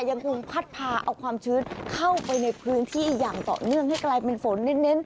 ยังคงพัดพาเอาความชื้นเข้าไปในพื้นที่อย่างต่อเนื่องให้กลายเป็นฝนเน้น